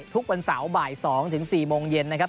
ทุกวันเสาร์บ่าย๒ถึง๔โมงเย็นนะครับ